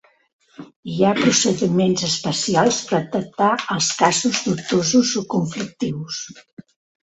Hi ha procediments especials per tractar els casos dubtosos o conflictius.